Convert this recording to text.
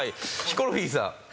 ヒコロヒーさん。